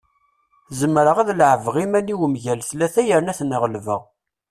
Zemreɣ ad leɛbeɣ iman-iw mgal tlata yerna ad ten-ɣelbeɣ.